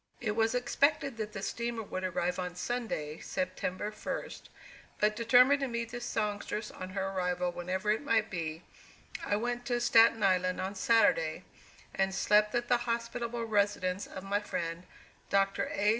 It was expected that the steamer would arrive on Sunday, September 1, but, determined to meet the songstress on her arrival whenever it might be, I went to Staten Island on Saturday, and slept at the hospitable residence of my friend, Dr. A.